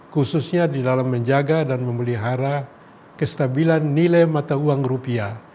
khususnya di dalam menjaga dan memelihara kestabilan nilai mata uang rupiah